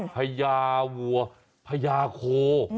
พญาวัวพญาโค